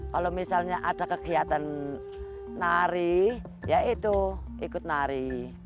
kalau misalnya ada kegiatan nari ya itu ikut nari